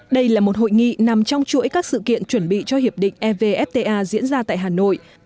đây là một hội nghị nằm trong chuỗi các sự kiện chuẩn bị cho hiệp định evfta diễn ra tại hà nội